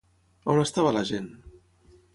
On estava la gent?